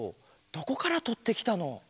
どこからとってきたの？